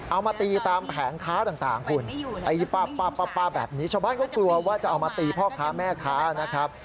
เอามาตีตามแผงค้าต่างคุณตีป้าแบบนี้ชาวบ้านก็กลัวว่าจะเอามาตีพ่อค้าแม่ค้านะครับ